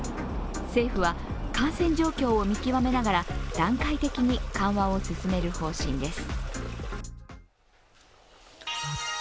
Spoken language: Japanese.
政府は、感染状況を見極めながら段階的に緩和を進める方針です。